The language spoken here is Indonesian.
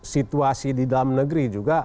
situasi di dalam negeri juga